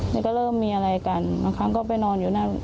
แล้วก็เริ่มมีอะไรกันบางครั้งก็ไปนอนอยู่หน้า